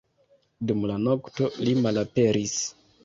Dum la nokto, li malaperis.